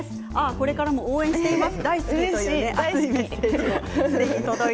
これからも応援しています。